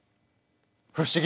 不思議！